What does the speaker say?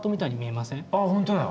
あ本当や。